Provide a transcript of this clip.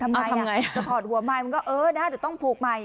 ทำไงจะถอดหัวไม้มันก็เออนะเดี๋ยวต้องผูกไม้